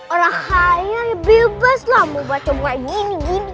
orang kaya bebas lah mau baca buku kayak gini gini